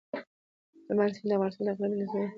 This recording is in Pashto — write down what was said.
هلمند سیند د افغانستان د اقلیمي نظام یو ښکارندوی دی.